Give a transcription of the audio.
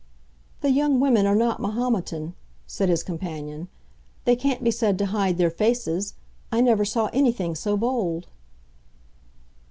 "The young women are not Mahometan," said his companion. "They can't be said to hide their faces. I never saw anything so bold."